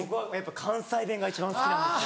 関西弁が一番好きなんですよ。